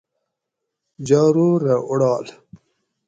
جارورہ اوڑال